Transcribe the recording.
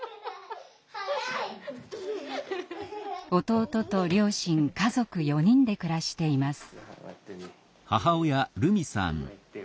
弟と両親家族４人で暮らしています。